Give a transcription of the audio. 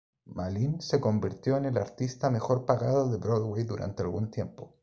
Malin se convirtió en el artista mejor pagado de Broadway durante algún tiempo.